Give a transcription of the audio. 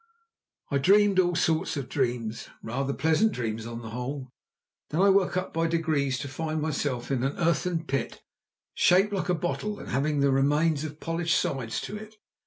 I dreamed all sorts of dreams, rather pleasant dreams on the whole. Then I woke up by degrees to find myself in an earthen pit shaped like a bottle and having the remains of polished sides to it.